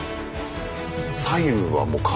左右はもう風？